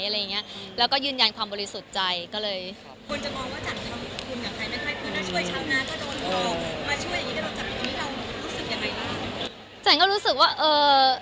ก็เลยควรจะบอกว่าจันทร์จะคุมกับใครไม่ค่ะเพราะถ้าช่วยชาวงานก็โดนว่าเรามาช่วยอย่างงี้ก็โดนจันทร์